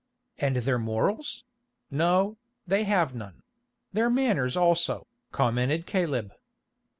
"And their morals—no, they have none—their manners also," commented Caleb.